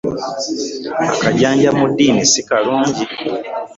Akajanja mu ddiini si kalungi.